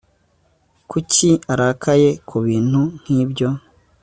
Kuki arakaye kubintu nkibyo